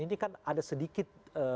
ini kan ada sedikit